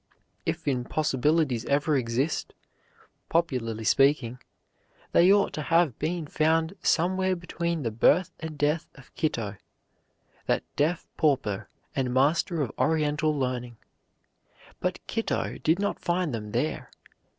If impossibilities ever exist, popularly speaking, they ought to have been found somewhere between the birth and death of Kitto, that deaf pauper and master of Oriental learning. But Kitto did not find them there.